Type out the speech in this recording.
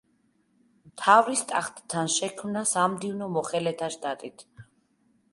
მთავრის ტახტთან შექმნა სამდივნო მოხელეთა შტატით.